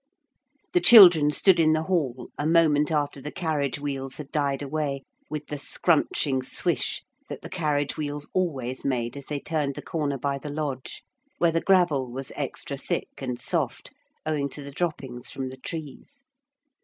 The children stood in the hall a moment after the carriage wheels had died away with the scrunching swish that the carriage wheels always made as they turned the corner by the lodge, where the gravel was extra thick and soft owing to the droppings from the trees.